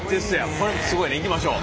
これもすごいねいきましょう。